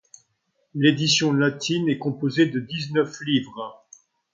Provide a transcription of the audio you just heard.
L'édition latine est composée de dix-neuf livres.